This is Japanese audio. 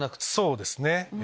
そうですね。